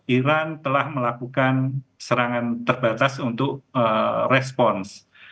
iran telah melakukan serangan terbatas untuk respons